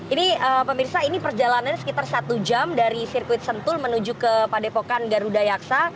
ini pemirsa ini perjalanannya sekitar satu jam dari sirkuit sentul menuju ke padepokan garuda yaksa